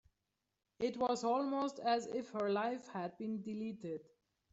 It was almost as if her life had been deleted.